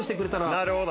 なるほど。